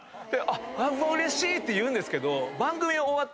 うれしいって言うんですけど。